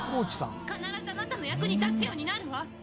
必ずあなたの役に立つようになるわ！